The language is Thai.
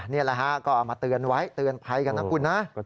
นี่แหละฮะก็เอามาเตือนไว้เตือนภัยกันนะคุณนะ